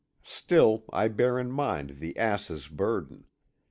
Still I bear in mind the asses' burden.